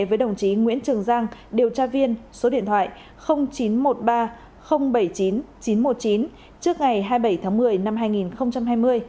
với đồng chí nguyễn trường giang điều tra viên số điện thoại chín trăm một mươi ba bảy mươi chín chín trăm một mươi chín trước ngày hai mươi bảy tháng một mươi năm